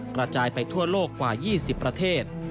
กระจายไปทั่วโลกกว่า๒๐ประเทศ